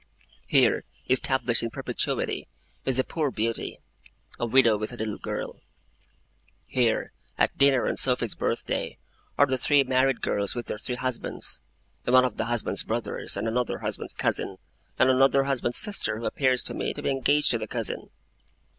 Here, established in perpetuity, is the poor Beauty, a widow with a little girl; here, at dinner on Sophy's birthday, are the three married girls with their three husbands, and one of the husband's brothers, and another husband's cousin, and another husband's sister, who appears to me to be engaged to the cousin.